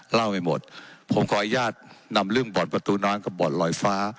ไม่หมดผมขออนุญาตนำเรื่องบ่อนประตูน้ำกับบ่อนลอยฟ้า